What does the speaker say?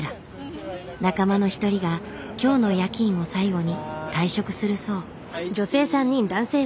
仲間の一人が今日の夜勤を最後に退職するそう。